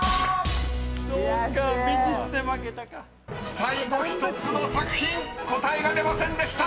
［最後１つの作品答えが出ませんでした］